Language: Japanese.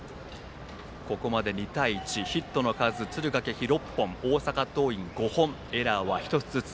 ここまで２対１ヒットの数、敦賀気比６本大阪桐蔭、５本エラーは１つずつ。